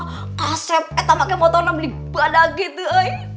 mengasep eh saya pakai motor saya beli badan gitu ya